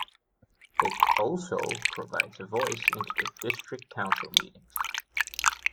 It also provides a voice into the district council meetings.